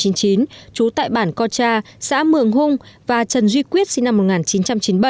chú tại bản cocha xã mường hung và trần duy quyết sinh năm một nghìn chín trăm chín mươi bảy